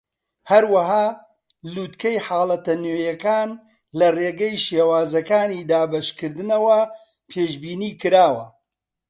هەروەها، لووتکەی حاڵەتە نوێیەکان لە ڕێگەی شێوازەکانی دابەشکردنەوە پێشبینیکراوە.